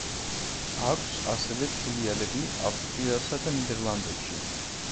აქვს ასევე ფილიალები ავსტრიასა და ნიდერლანდებში.